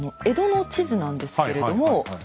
江戸の地図なんですけれども。